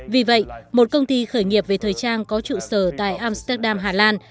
vì vậy một công ty khởi nghiệp về thời trang có trụ sở tại amsterdam hà lan